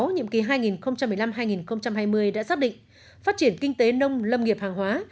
nhiệm kỳ hai nghìn một mươi năm hai nghìn hai mươi đã xác định phát triển kinh tế nông lâm nghiệp hàng hóa